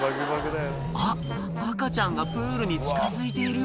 あっ赤ちゃんがプールに近づいているよ